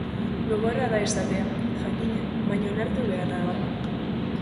Gogorra da esatea, jakina, baina onartu beharra dago.